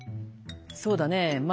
「そうだねぇまあ